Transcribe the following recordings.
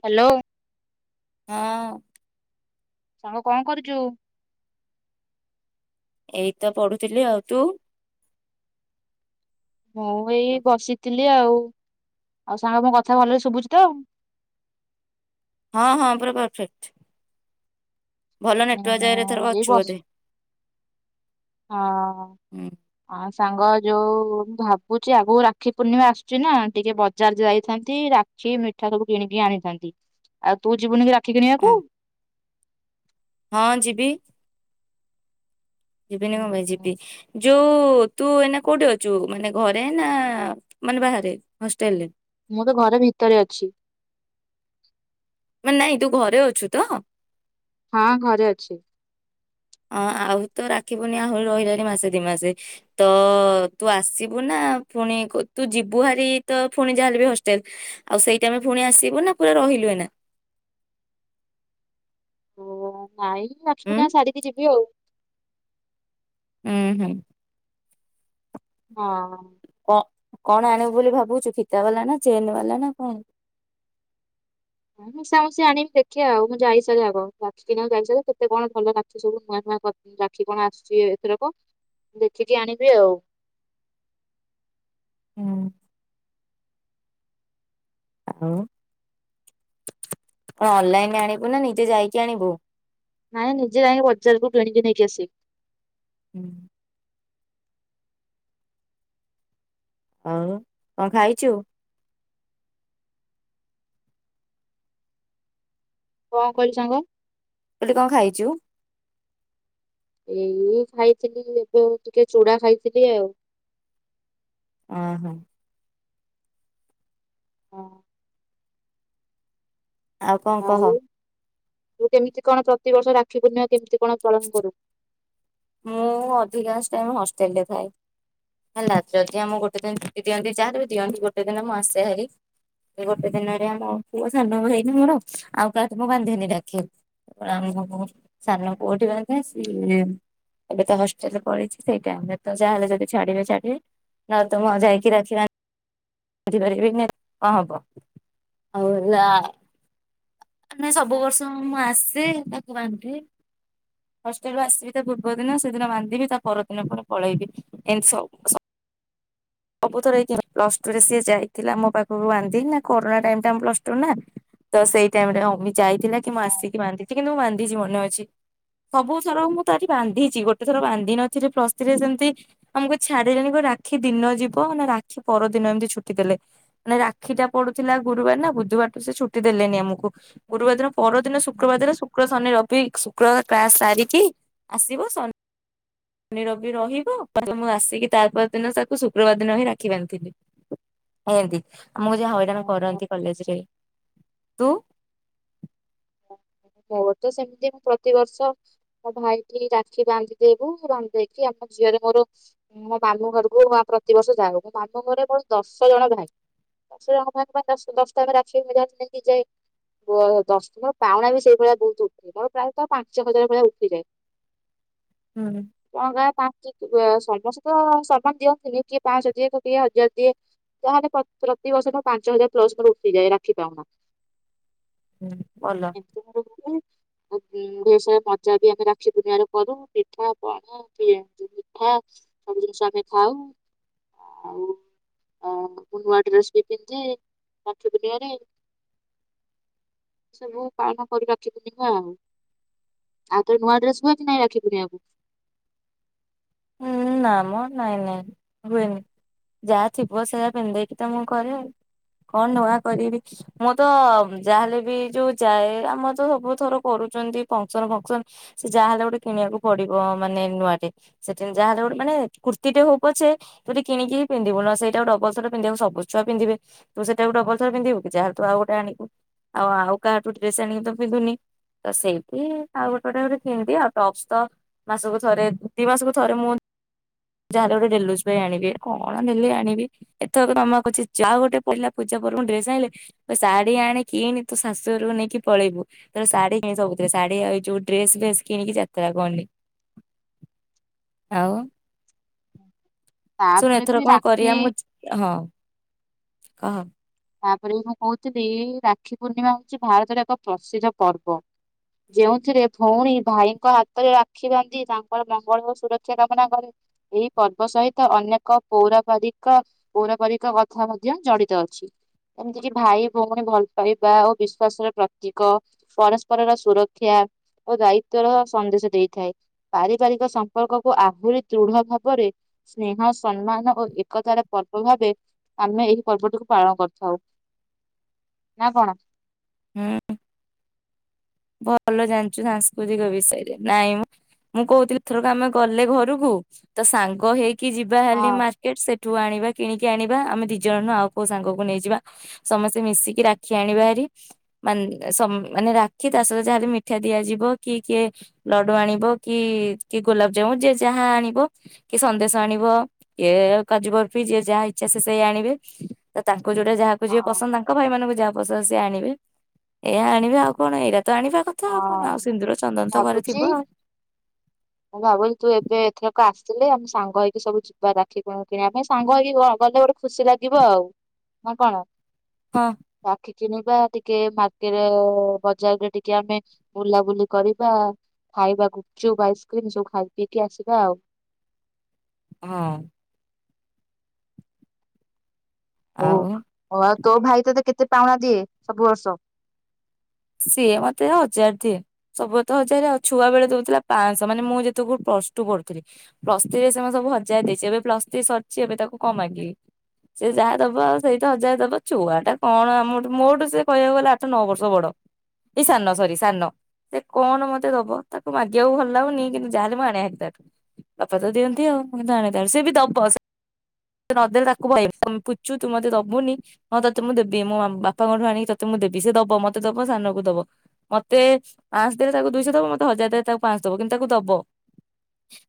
Hello. ହଁ। ସାଙ୍ଗ କଣ କରୁଛୁ। ଏଇ ତ ପଢୁଥିଲି ଆଉ ତୁ। ମୁଁ ଏଇ ବସିଥିଲି। ଆଉ ଆଉ ସାଙ୍ଗ ମୋ କଥା ଭଲରେ ଶୁଭୁଛି ତ ହଁ ହଁ ପୁରା ପରଫେକ୍ଟ। ଭଲ ନେଟୱାର୍କ ଜାଗାରେ ଏଥର ଉଁ ଏଇ ଅଛୁ ବସ ବୋଧେ। ହୁଁ ହଁ। ସାଙ୍ଗ ଯୋଉ ମୁଁ ଭାବୁଛି ଆଗକୁ ରାକ୍ଷୀ ପୂର୍ଣ୍ଣିମା ଆସୁଛି ନା ଟିକେ ବଜାର ଯାଇଥାନ୍ତି ରାକ୍ଷୀ ମିଠା ସବୁ କିଣିକି ଆଣିଥାନ୍ତି ଆଉ ତୁ ଯିବୁନି କି ରାକ୍ଷୀ ହଁ କିଣିବାକୁ। ହଁ ଯିବି ଯିବିନି କଣ ପାଇଁ ଯିବି ଯୋଉ ତୁ ଏନା କୋଉଠି ଅଛୁ ମାନେ ଘରେ ନା ମାନେ ବାହାରେ ହଷ୍ଟେଲରେ ମୁଁ ତ ଘରେ ଭିତରେ ଅଛି। ନାଇଁ ତୁ ଘରେ ଅଛୁ ତ। ହଁ ଘରେ ଅଛି। ହଁ ଆଉ ତ ରାକ୍ଷୀପୂର୍ଣିମା ଆହୁରି ରହିଲାଣିି ମାସେ ଦି ମାସେ ତ ତୁ ଆସିବୁ ନା ପୁଣି ତୁ ଯିବୁ ଭାରି ତ ପୁଣି ଯାହାଲେ ବି ହଷ୍ଟେଲ ଆଉ ସେଇଟାମେ ପୁଣି ଆସିବୁ ନା ପୁରା ରହିଲୁ ଏଇନା। ନାଇଁ ଉଁ ରାକ୍ଷୀପୂର୍ଣିମା ସାରିକି ଯିବି ଆଉ ହୁଁ ହୁଁ। ହଁ। ଅ [unintelligible] କଣ ଆଣିବୁ ବୋଲି ଭାବୁଛୁ ଫିତା ବାଲା ନା ଜେନ୍ ବାଲା ନା କଣ ହଁ ମିଶାମିଶି ଆଣିବି ଦେଖିବା ଆଉ ମୁଁ ଯାଇସାରେ ଆଗ ରାଖୀ କିଣବାକୁ ଯାଇସାରେ କେତେ କଣ ଭଲ ରାକ୍ଷୀ ସବୁ ନୂଆ ନୂଆ ରାକ୍ଷୀ କଣ ଆସୁଛି ଏଥରକ ମୁ ଦେଖିକି ଆଣିବି ଆଉ। ହୁଁ। ଆଉ ହଁ ଅନଲାଇନରେ ଆଣିବୁ ନା ନିଜେ ଯାଇକି ଆଣିବୁ। ନାଇଁ ନିଜେ ଯାଇକି ବଜାରକୁ କିଣିକି ନେଇକି ଆସିବି। ହୁଁ। ଆଉ କଣ ଖାଇଛୁ। କଣ କହିଲୁ ସାଙ୍ଗ। ବୋଲି କଣ ଖାଇଛୁ। ଏଇ ଖାଇଥିଲି ଏବେ ଟିକେ ଚୂଡ଼ା ଖାଇଥିଲି ଆଉ ଅହୋ। ହଁ। ଆଉ କଣ କହ କେମିତି କଣ ପ୍ରତିବର୍ଷ ରାକ୍ଷୀ ପୂର୍ଣ୍ଣ କେମିତି କଣ ପାଳନ କରୁ? ମୁଁ ଅଧିକାଂଶ ହଷ୍ଟେଲ ରେ ଥାଏ। ହେଲା ଯଦି ଆମ ଗୋଟେ ଦିନ ଛୁଟି ଦିଅନ୍ତି। ଯ ବି ଦିଅନ୍ତି ଗୋଟେ ଦିନ ମୁଁ ଆସେ ହାର ସେ ଗୋଟେ ଦିନରେ ଆମ ପୁଅ ସାନ ହେଇନି ମୋର ଆଉ କାହା ତ ମୁ ବାନ୍ଧିନ ଡାକିବି ଆମ ସ କୋଉଠି ସ ଏବେ ତ ହଷ୍ଟେଲରେ ପଢ ସେଇ ଟାଇମରେ ତ ଯାହାହେଲେ ଯଦି ଛାଡିବେ ଛାଡିବେ ନହେଲେ ଯାଇକି ରଖିବ ବି ନ ହ ହବ ଆଉଲା ନାଇ ସବୁ ବର୍ଷ ମୁଁ ଆସେ ତାକୁ ବାନ୍ଧି ହଷ୍ଟେଲୁ ଆସିବି ତା ପୂର୍ବ ଦିନ ସେଦିନ ବାନ୍ଧିବି ତା ପରଦିନ ପୁଣି ପଳେଇବି। ଏମତି ସବୁ ଥରଇ ପ୍ଲସ ଟୁରେ ସି ଯାଇଥିଲା ମୋ ପାଖକୁ ବାନ୍ଧି ନା କରୋନା ଟାଇ ପ୍ଲ ଟୁ ନା ତ ସେଇ ଟାଇମ୍ ଯାଇଥିଲା କି ମୁଁ ଆସିକି ବାନ୍ଧି କିନ୍ତୁ ମୁଁ ବାନ୍ଧି ମନେ ଅଛି ସବୁ ଥର ମୁଁ ତଠି ବାନ୍ଧିଛି ଗୋଟେ ଥର ବାନ୍ଧିନଥୀଲି ପ୍ଲସଥ୍ରୀ ଜେମିତି ଆମକୁ ଛାଡିଲେଣି ଗୋ ରାକ୍ଷୀ ଦିନ ଯିବ ରାକ୍ଷୀ ପରଦିନ ଏମିତି ଛୁଟି ଦେଲେ। ମାନେ ରାକ୍ଷୀ ଟା ପଡୁଥିଲା ଗୁରୁବାର ନା ବୁଧବାରୁ ସେ ଛୁଟି ଦେଲେନି ଆମକୁ। ଗୁରୁବାର ଦିନ ପରଦିନ ଶୁକ୍ରବାର ଦିନ ଶୁକ୍ର ଶନି ର ଶୁକ୍ରବାର କ୍ଲାସ ସାରିକି ଆସିବ ଶନି ଶନି ରବି ରହିବ ମୁ ଆସିକି ତା ପର ଦିନ ତାକୁ ଶ ଉବାଦିନ ବି ରାକ୍ଷୀ ବାନ୍ଧିଥିଲା ଏମତି ଆମକୁ ଯାହା ହଇରାଣ ଓହୋ, କରନ୍ତି କଲେଜ ରେ ତୁ ମୋ ତ ସେମିତି ମୁଁ ପ୍ରତିବର୍ଷ ମୋ ଭାଇଟି ରାକ୍ଷୀ ବାନ୍ଧି ଦେବୁ ବାନ୍ଧି ଦେଇକି ଆମ ଝିଅରେ ମୋର ମୋ ମାମୁଁ ଘରକୁ ପ୍ରତିିବର୍ଷ ଯାାଉ। ମୋ ମାମୁଁ ଘରରେ ମୋ ଦଶ ଜଣ ଭାଇ ଦଶ ଜଣ ଭାଇ ଦଶଟା ଆମେ ରାକ୍ଷୀ ଯାମତି ଯାଏ ଦଶ ଜ ପାଉଣା ବି ସେଇ ଭଳିଆ ବହୁତ ଉଠିଏ ମର ପ୍ରାୟତ ପାଞ୍ଚ ଛଅ ହଜାର ଭଳିଆ ଉଠିଯାଏ। ହୁଁ ଟଙ୍କା ପାଞ୍ଚ ସମସ୍ତେ ତ ସମାନ ଦିଅନ୍ତିନି। କିଏ ପାଞ୍ଚସହ ଦିଏ କିଏ ହଜାର ଦିଏ ତାହେଲେ ପ୍ରତିିବର୍ଷ ପାଞ୍ଚ ହଜାର ପ୍ଲସ ମୋର ଉଠିଯାଏ ରାଖି ପାଉନା। ହୁଁ ଭଲ। ଏତି [inaudible] ଆଉ ସାର ମଜା ବି ଆମେ ରାକ୍ଷୀ ପୂ୍ଣ୍ଣିମାରେ କରୁ। ପିଠା ପଣା ମିଠା ସବୁ ଜିନିଷ ଆମେ ଖାଉ ଆଉ ନୂଆ ଡ୍ରେସ ବି ପିନ୍ଧେ ରାକ୍ଷୀ ପୂ୍ଣ୍ଣିମାରେ ରେ ସବୁ ପାଳନ କରି ରାକ୍ଷୀ ପୂର୍ଣ୍ଣୀମା ଆଉ ଆଉ ତରେ ନୂଆ ଡ୍ରେସ ହୁଏ କି ନାଇଁ ରାକ୍ଷୀ ପୂ୍ଣ୍ଣିମା କୁ ହୁଁ ନା ମ ନାଇଁ ନାଇଁ ହୁଏନି। ଯାହା ଥିବ ସେଆା ପିନ୍ଧେଇକି ତ ମୁଁ କରେ କଣ ନୂଆ କରିବି ମୁଁ ତ ଯାହାହେଲେ ବି ଯୋଉ ଯାଏ ଆମର ତ ସବୁ ଥର କରୁଛନ୍ତି ଫଙ୍କସନ ଫଙ୍କସନ ସେ ଯାହାହଲେ ଗୋଟେ କିଣିବାକୁ ପଡିବ ମାନେ ନୂଆଟେ ସେଠ ଯାହାେଲେ ଗୋଟେ ମାନେ କୁର୍ତ୍ୀଟେ ହଉ ପଛେ ତୁ ଟିକ କିିଣିକି ପିନ୍ଧିବୁହ ସେଟା ଡଲ ଥର ପିଧିବାକୁ ସବୁ ଛୁଆ ପିଧେ ତୁ ସେଟା ଡବଲ ଥ ପିନ୍ଧିବୁ ଯାହେଲେୁ ଆଉ ଗୋଟେ ଆଣୁ ଆଉ କାହାଠୁ ଡ୍ରେସ ଆଣିକି ତ ପିନ୍ଧୁନି। ତ ସେଇଠି ଆଉ ଗୋଟୋ ଗୋଟେ କିଣିବି ଆଉ ଟପସ ତ ମାସକୁ ଥରେ ଦ ମାସକୁ ଥରେ ମୁଁ ଯାହାଲେ ଗୋଟେ ଡେଲି ୟୁଜ ପାଇଁ ଆଣିବି। କଣ ନେଲି ଆଣିବି ଏଥରକ ତମା କଛି ଯାହା ଗୋଟେ ପଳିଲା ପୂଜା ପର୍ବ ଡ୍ରେସ ଆଣିଲେ ଶାଢୀ ଆଣେ କିଣ ତୁ ଶାଶୁରକୁ ନେଇକି ପଳେଇବୁ ତୋର ଶାଢୀ କି ସବୁଥିରେ ଶାଢୀଇଯ ଡ୍ରେସ ବ୍ରେସ କିଣିକି ଯାତ୍ରା କରନି। ଆଉ ହୁଁ ଶୁଣ ଏଥର କଣ କରିବା ମୁଁ ହଁ ହଁ ତାପରେ ମୁଁ କହୁଥିଲି ରାକ୍ଷୀ ପୂର୍ଣ୍ଣିମା ହଉଛି ଭାରତର ଏକ ପ୍ରସିଦ୍ଧ ପର୍ବ। ଯଉଥିରେ ଭଉଣୀ ଭାଇଙ୍କ ହାତରେ ରାକ୍ଷୀ ବାନ୍ଧି ତାଙ୍କର ମଙ୍ଗଳ ଓ ସୁରକ୍ଷା କାମନା କରେ। ଏହି ପର୍ବ ସହିତ ଅନେକ ପୌରପାରିକ ପୌରପାରିକ କଥା ମଧ୍ୟ ଜଡିତ ଅଛି। ଏମିତିକି ଭାଇ ଭଉଣୀ ଭଲ ପାଇବା ଓ ବିଶ୍ଵାସର ପ୍ରତୀକ। ପରସ୍ପରର ସୁରକ୍ଷା ଓ ଦାୟିତ୍ଵର ସନ୍ଦେଶ ଦେଇଥାଏ ପାରିବାରିକ ସମ୍ପର୍କକୁ ଆହୁରି ଦୃଢ ଭାବରେ ସ୍ନେହ ସମ୍ମାନ ଓ ଏକତାର ପର୍ବ ଭାବେ ଆମେ ଏହି ପର୍ବଟିକୁ ପାଳନ କରିଥା ହଉ ନା କଣ? ହୁଁ ଭଲ ଜାଣିଛୁ ସାଂସ୍କୃତିକ ବିଷୟରେ। ନାଇଁ ମୁଁ କହୁଥିଲି ଏଥରକ ଆମେ ଗଲେ ଘରକୁ ତ ସାଙ୍ଗ ହେଇକି କି ଯିବା ହଁ ହେଲେ ମାର୍କେଟ ସେ ଠୁ ଆଣିବା କିଣିକି ଆଣିବା ଆମେ ଦି ଜଣୁ ଆଉ କୋଉ ସାଙ୍ଗକୁ ନେଇଯିବା। ସମସ୍ତେ ମିଶିକି ରାକ୍ଷୀ ଆଣିବା ହେରିାନେ ମାନେ କି ତା ସହିତ ଯାହାଲେ ମିଠା ଦିଆଯିବ। କି କିଏ ଲଡୁ ଆଣିବ କି କି ଗୋଲାପଜାମୁନ ଯିଏ ଯାହା ଆଣିବ କି ସନ୍ଦେଶ ଆଣିବ କିଏ କାଜୁ ବର୍ଫି ଯିଏ ଯାହା ଇଚ୍ଛା ସେ ସେଇ ଆଣିବେ। ତା ଯଉଟା ଯାହାକୁ ଯିଏ ହଁ ପସନ୍ଦ ତାଙ୍କ ଭାଇମାନଙ୍କୁ ଯହାକୁ ବସ ବସି ଆଣିବେ ଏଇ ଆଣିବେ ଆଉ ବ ଜାଣିବା କଥା କଣ ଆଉ ହଁ ସିନ୍ଦୁର ଚନ୍ଦନ ତ ଘରେ ଥିବ। ଭାବୁଛି ଲୋକ ଆସିଲେ ଆମେ ସାଙ୍ଗ ହେଇକି ସବୁ ଯିବା ରାାକ୍ଷି କିଣ କିଣିବା ପାଇଁ ସାଙ୍ଗ ହେଇକି ଗଲେ ଗୋଟେ ଖୁସି ଲାଗିବ ଆଉ ନା କଣ? ହଁ ରାକ୍ଷୀ କିଣିବା ଟିକେ ମାର୍କେଟ ବଜାରରେ ଟିକେ ଟ ଆମେ ବୁଲାବୁଲି କରିବା ଖାଇବା ଗୁପଚୁପ ଆଇସ୍କ୍ରିମ ସବୁ ଖାଇ ପିଇକି ଆସିବା ଆଉ ହଁ ହଉ ଆଉ ହଉ ତୋ ଭାଇ ତତେ କେତେ ପାଉଣା ଦିଏ ସବୁ ବର୍ଷ ସିଏ ମତେ ହଜାର ଦିଏ ସବୁ ତ ହଜାର ଆଉ ଛୁଆ ବେଳେ ଦଉଥିଲା ପାଞ୍ଚଶହ ମାନେ ମୁଁ ଯେତେ ପ୍ଲସ ଟୁ ପଢୁଥିଲି ପ୍ଲସ ଥ୍ରୀ ରେ ସେ ସବୁ ହଜାର ଦେଇଛି ଏବେ ପ୍ଲସ୍ ଥ୍ରୀ ସରିଛି ଏବେ ତାକୁ କଣ ମାଗିବି ସେ ଯାହା ଦବ ଆ ସେଇତ ହଜାର ଦବ ଛୁଆଟା କଣ ଆମର ମୋରଠୁ ସେ କହିବାକୁ ଗଲା ଆଠ ନଅ ବର୍ଷ ବଡ ଏଇ ସାନ ସରି ସାନ ସେ କଣ ମତେ ଦବ ତାକୁ ମାଗିବାକୁ ଭଲ ଲାଗୁନି କିନ୍ତୁ ଯାହାହେଲେ ମୁଁ ଆଣିବା ବାପା ତ ଦିଅନ୍ତି ଆଉ କିୁ ଆଣ ସେ ବି ଦବ ନଦେଲେ ତାକୁହେ ପୁଚୁ ତୁ ମତେ ଦବୁନି ହଁ ତତେ ମୁଁ ଦେବି ମୁଁ ବାପାଙ୍କଠୁ ଆଣିକି ତତେ ମୁଁ ଦେବି ସେ ଦବ ମତେ ଦବ। ସାନକୁ ଦବ ମତେ ପାଞ୍ଚ ଦେ ତା ଦୁଇଶହ ଦବ ମତେ ହଜାର ତାକୁ ପାଞ୍ଚ ଦବ କିନ୍ତୁ ତାକୁ ଦବ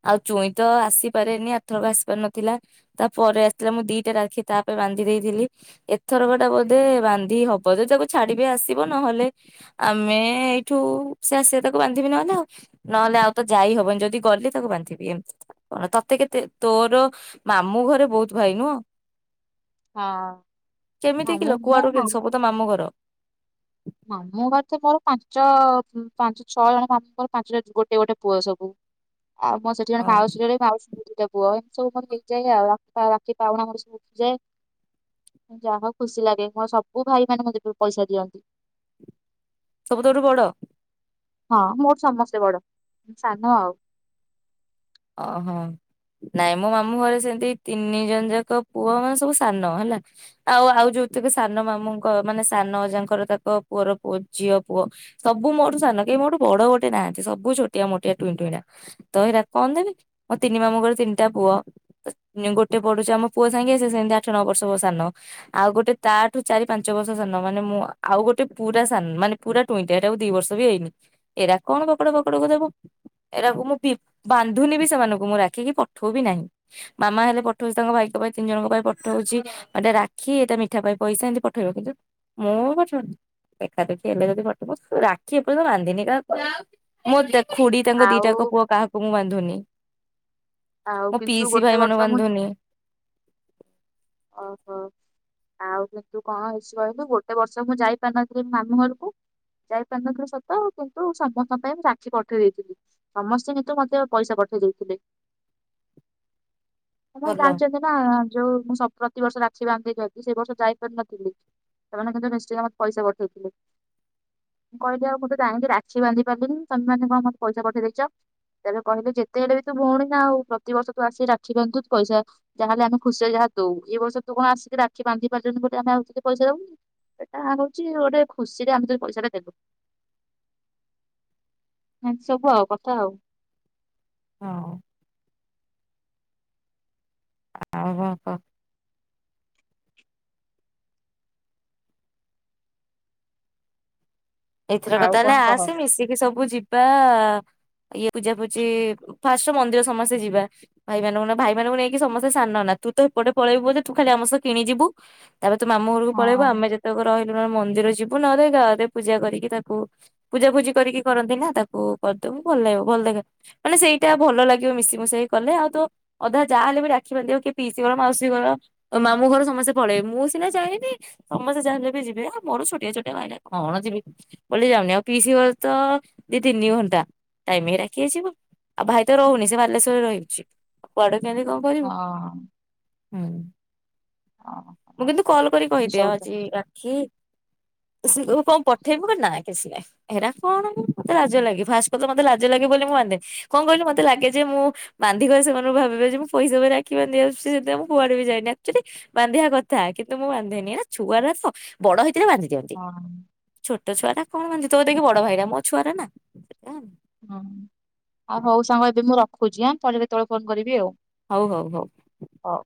ଆଉ ଚୁଇଁ ତ ଆସିପାରେନି ଏଥରକ ଆସି ପାର ନଥିଲା ତା ପରେରେ ଆସିିଲଥିଲା ମୁଁ ଦିଟାଖି ତାପ ବାନ୍ଧି ଦେଇଥିଲି ଏଥରକ ଟା ବୋଧେ ବାନ୍ଧି ହବ ଯଦି ତାକୁ ଛାଡିବେ ଆସିବ। ନହେଲେ ଆମେ ଏଇଠୁ ସେ ଆସିବେ ତାକୁ ବାନ୍ଧିବି ନହେଲେ ଆଉ ନହେଲେ ଆଉ ତ ଯାଇହବନି ଯଦି ଗଲେ ତାକୁ ବାନ୍ଧିବି ଏମତି କଣ ତତେ କେତେ ତୋର ମାମୁଁ ଘରେ ବହୁତ ଭାଇ ନୁହ। ହଁ କେମିତି ଆମ କିଲ ମୋ କୁଆଡୁ କେମତି ସବୁ ତ ମାମୁଁ ଘର। ମାମୁଁ ଘର ତ ମୋର ପାଞ୍ଚ ପାଞ୍ଚ ଛଅ ଜଣ ମାମୁଁଙ୍କର ପାଞ୍ଚଣ ଗୋଟେ ଗୋଟେ ପୁଅ ସବୁ। ଆଉ ମୁଁ ସେଠି ଜଣ ହଁ ମାଉସୀରେ ମାଉୀ ଦେବ ପୁଅ ଏମତି ସବୁ ମର ହେଇଯାଏ ଆଉ ରାତି ପାଉଣା ମୋର ସବୁ ଉଠିଯାଏ ଯାହା ଖୁସି ଲାଗେ ମୋର ସବୁ ଭାଇ ମାନେ ମୋତେ ପଇସା ଦିଅନ୍ତି। ସବୁ ତଠୁ ବଡ ହଁ ମୋର ସମସ୍ତେ ବଡ ସାନ ଆଉ ଓହୋ ନାଇଁ ମୋ ମାମୁଁ ଘରେ ସେମିତି ତିନି ଜଣ ଯାକ ପୁଅ ମାନେ ସବୁ ସାନ ହେଲା ଆଉ ଆଉ ଯୋଉକ ସାନ ମାମୁଙ୍କ ମାନେ ସାନ ଯାଙ୍କର ତାଙ୍କ ପୁଅର ପୁଅ ଝିଅ ପୁଅ ସବୁ ମୋଠୁ ସାନ କେହି ମୋଠୁ ବଡ ଗୋଟେ ନାହାନ୍ତି ସବୁ ଛୋଟିଆ ମୋଟିଆ ଟୁଇଁ ଟୁଇଁ କଣ ଦେବି ମୋ ତିନି ମାମୁଙ୍କର ତିନିଟା ପୁଅ ଗୋଟେ ପଢୁଛି ଆମ ପୁଅ ସାଙ୍ଗେ ସେ ସେତି ଆଠ ନଅ ବର୍ଷ ସାନ ଆଉ ଗୋଟେ ତାଠୁ ଚାରି ପାଞ୍ଚ ବର୍ଷ ସାନ ମାନେ ମୁଁ ଆଉ ଗୋଟେ ପୁରା ମାନେ ପୁରା ଟୁଇଁଟା ଏଟାକୁ ଦି ବର୍ଷ ବି ହେଇନି ଏଟ କଣ ପକଡା ପକଡକୁ ଦେବ ଏରାକୁ ମୁଁ ବାନ୍ଧୁନି ବି ସେମାନଙ୍କୁ ମୁଁ ରାକ୍ଷୀ କିି ପଠଉବି ନାହିଁ ମାମା ହେଲେ ପଠଉଛି ତାଙ୍କ ଭାଇଙ୍କ ପାଇଁ ତିନି ଜଣଙ୍କ ପାଇଁ ପଠଉଛିଟା ରାକ୍ଷୀ ଏଟା ମିଠା ପାଇଁ ପଇସା ଏମତି ପଠେଇବ କିନ୍ତୁ ମୁଁ ପଠଉନି ଦେଖା ଦେେଖି ହେଲେ ଯଦି ପଠ ରାକ୍ଷୀ ଏପଟ ତ ବାନ୍ଧିନି କାହା। ମୋ ହଁ, ଖୁଡି ତାଙ୍କ ଆଉ ଦିଟାଙ୍କ ପୁଅ କାହାକୁ। ବନ୍ଧୁନି ଆଉ ମୋ କିନ୍ତୁ ପିଇସି ଗୋଟେ ବର୍ଷ ମୁଁ ଭାଇମାନବାନ୍ଧନୀ ଓହୋ ଆଉ କିନ୍ତୁ କଣ ହେଇଛି କହିଲୁ ଗୋଟେ ବର୍ଷ ମୁଁ ଯାଇପାରିନଥିଲି ମାମୁଁ ଘରକୁ ଯାଇପାରିନଥିଲି ସତ କିନ୍ତୁ ସମସ୍ତଙ୍କ ପାଇଁ ମୁଁ ରାକ୍ଷୀ ପଠେଇ ଦେଇଥିଲି ସମସ୍ତେ କିନ୍ତୁ ମୋତେ ପଇସା ପଠେଇ ଦେଇଥିଲେ। ସମସ୍ତେ ଭଲ। ଜାଣିଛନ୍ତି ନା ଯୋଉ ମୁଁ ସବୁ ପ୍ରତି ବର୍ଷ ରାକ୍ଷୀ ବାନ୍ଧି ଦେଇଛନ୍ତି ସେ ବର୍ଷ ଯାଇପାରିନଥିଲି ସେମାନେ କିନ୍ତୁ ନିଶ୍ଚୟ ମତ ପଇସ ପଠେଇଥିଲେ ମୁଁ କହିଲି ଆଉ ମୁଁ ତ ଜାଇକି ରାକ୍ଷୀ ବାନ୍ଧି ପାରିଲିନି ତମେ ମାନେ କଣ ମତେ ପଇସା ପଠେଇ ଦେଇେଇଛ ତେବେ କହିଲେ ଯେତେ ହେଲେ ବି ତୁ ଭଉନି ନା ଆଉ ପ୍ରତିବର୍ଷ ତୁ ଆସିକି ରାକ୍ଷୀ ବାନ୍ଧୁ ପଇସା ଯାହା ହେଲେ ଆମେ ଖୁସିରେ ଯାହା ଦଉ ଏ ବର୍ଷ ତୁ କଣ ଆସିକି ରାକ୍ଷୀ ବାନ୍ଧି ପାରୁଛନ୍ତି ବୋଲିୋଟେ ଆମେ ଆଉିକେ ପଇସା ଦଉନି ସେଇଟା ହଉଛି ଗୋଟେ ଖୁସିରେ ଆମେ ତେ ପଇସା ଟା ଦେଲୁ ଏମତି ସବୁ ଆଉ କଥା ଆଉ। ହଁ। ଆ କୋ ଏଇଥର ଆଉ କଥା ହେଲେ କଣ କହ? ଆସି ମିଶିକି ସବୁ ଯିବ ଇଏ ପୂଜାପୂଜି ଫାଷ୍ଟ ମନ୍ଦିର ସମସ୍ତେ ଯିବା ଭାଇମାନଙ୍କୁ ନା ଭାଇମାନାନଙ୍କୁ ନେଇକି ସମସ୍ତେ ସାନ ନା ତୁ ତ ଏପଟେ ପଳେଇବୁ ତୁ ଖାଲି ଆମ କିଣିଯିବୁ। ଏବେ ତୁମ ଘରକୁ ହଁ ପଳେଇବ ଆମେ ଯେତକ ରହିବ ମନ୍ଦିର ଯିବୁ ନା ଗା ପୂଜା କରିକି ତାକୁ ପୂଜା ଫୁଜି କରିକି କରନ୍ତି ନା ତାକୁ କରିଦେବ ଭଲ ଲାଗିବ ଭଲ ଲାଗେ ମାନେ ସେଇଟା ଭଲ ଲାଗିବ ମିଶି ମିଶେଇକି କଲେ ଆଉ ତ ଅଧା ଯାହା ହେଲେ ବି ରାକ୍ଷୀ ବାନ୍ଧିବାକୁ କିଏ ପିଇସି ଗଲା ମାଉସୀ ଗଲ ମାମଁ ଘର ସମସ୍ତେ ପଳେଇବେ ମୁଁ ସିନା ଚାହିଁନି ସମସ୍ତେ ଚାାଁଲେ ବି ଯିବେ ଆଉ ମୋର ଛୋଟିଆ ଛୋଟିଆ ଭାଇଟ କ ହଁଣ ଯିବି ବ ଯାଉନି ଆଉ ପିଇସି ଘର ତ ତିନି ଘଣ୍ଟା ଟାଇମ କି ଆଯିବ ଆଉ ଭାଇ ତ ରହୁନି ସେ ବାଲେଶ୍ଵରରେ ରହିଛି ଆଉ କୁଆଡେ କେମତି କଣ ହଁ କରିବି। ହୁଁ। ହଁ ମୁଁ ହଁ କିନ୍ତୁ କଲ କରି ଏମିତି କହିଦିଅ ସବୁ ତ ଆଜି ରାକ୍ଷୀ। ସେ କଣ ପଠେଇବୁ କ ନା କିଛି ନାାଇଁ ହେରା କଣ ଲ ରାଜ ଲାଗି ଫାଷ୍ଟ କଥା ମତେ ଲା ଲାଗେ ବୋଲି ମୁଁ ବାନ୍ଧେ କଣ କହିଲି ମତେ ଲାଗେ ଯେ ମୁଁ ବାନ୍ଧି କରେ ସେମାନଙ୍କୁ ଭାବିବେ ଯେ ମୁଁ ପଇସାବ ରାକ୍ଷୀ କୁଆଡେ ବି ଯାଇନିଚୁଲି ବାନ୍ଧିବା କଥା କିନ୍ତୁ ମୁଁ ବାନ୍ଧେନି ହେ ଛୁଆ ତ ବଡ। କେରେ ବାନ୍ଧି ଦିଅନ୍ତି, ହଁ ଛୋଟ ଛୁଆ ଟା କଣ ବାନ୍ଧିଦେବ ଦେଖ ବଡ ଭାଇଟ ମୋ ଛୁଆଟା ନା, ହୁଁ ଆଉ ହଉ ସାଙ୍ଗ ଏବେ ମୁଁ ରଖ ରଖୁଚି ଆଁ ପରେ କେତବେଳେ ଫୋନ କରିବି ଆଉ, ହଉ ହଉ ହଉ। ହଉ।